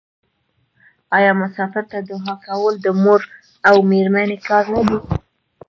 آیا مسافر ته دعا کول د مور او میرمنې کار نه دی؟